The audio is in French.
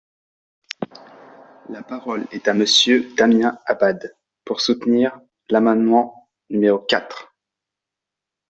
La parole est à Monsieur Damien Abad, pour soutenir l’amendement numéro quatre.